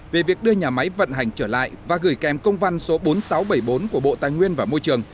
về việc đưa nhà máy vận hành trở lại và gửi kèm công văn số bốn nghìn sáu trăm bảy mươi bốn của bộ tài nguyên và môi trường